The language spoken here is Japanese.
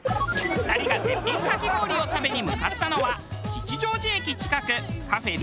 ２人が絶品かき氷を食べに向かったのは吉祥寺駅近くカフェルミエール。